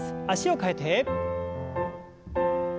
脚を替えて。